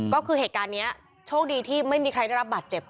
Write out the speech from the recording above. ก็คือเหตุการณ์นี้โชคดีที่ไม่มีใครได้รับบาดเจ็บ